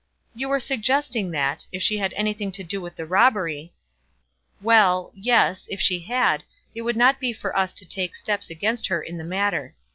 "You were suggesting that, if she had anything to do with the robbery " "Well; yes; if she had, it would not be for us to take steps against her in the matter.